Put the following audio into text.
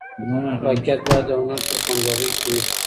واقعیت باید له هنر سره په همغږۍ کي وي.